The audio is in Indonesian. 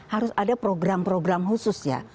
harus ada program program khusus ya